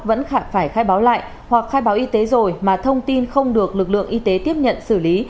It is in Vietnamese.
vẫn phải khai báo lại hoặc khai báo y tế rồi mà thông tin không được lực lượng y tế tiếp nhận xử lý